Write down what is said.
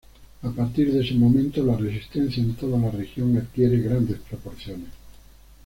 A partir de ese momento, la resistencia en toda la región adquiere grandes proporciones.